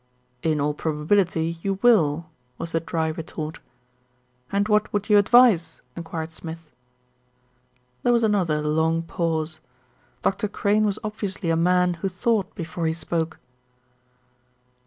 "In all probability you will," was the dry retort. "And what would you advise?" enquired Smith. There was another long pause. Dr. Crane was obviously a man who thought before he spoke.